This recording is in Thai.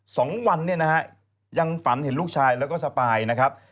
สองวันเนี่ยนะฮะยังฝันเห็นลูกชายแล้วก็สปายนะครับ